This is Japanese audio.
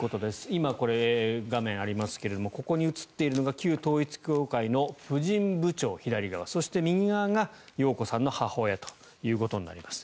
今、画面ありますがここに映っているのが旧統一教会の婦人部長、左側そして右側が容子さんの母親となります。